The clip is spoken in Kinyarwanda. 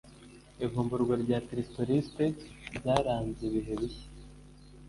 Ivumburwa rya tristoriste ryaranze ibihe bishya.